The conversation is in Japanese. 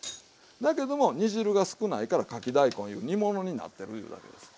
だけども煮汁が少ないからかき大根いう煮物になってるいうだけですわ。